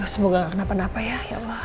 semoga gak kenapa napa ya ya allah